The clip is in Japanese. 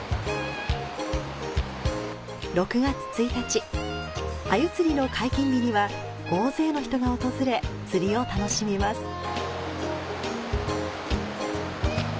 ６月１日、鮎釣りの解禁日には大勢の人が訪れ、釣りを楽しみます。